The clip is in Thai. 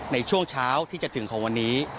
ในช่วงเช้าที่จะถึงของวันนี้